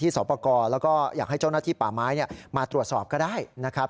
สอบประกอบแล้วก็อยากให้เจ้าหน้าที่ป่าไม้มาตรวจสอบก็ได้นะครับ